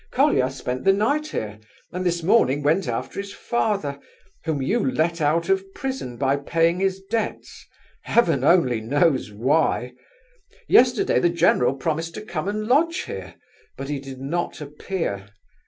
"Colia spent the night here, and this morning went after his father, whom you let out of prison by paying his debts—Heaven only knows why! Yesterday the general promised to come and lodge here, but he did not appear.